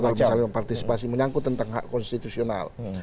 kalau misalnya partisipasi menyangkut tentang hak konstitusional